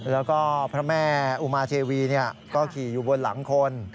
แล้วก็พระแม่อุมาเทวีก็ขี่อยู่บนหลังคน